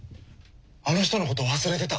あの人のこと忘れてた！